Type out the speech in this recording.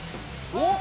おっ？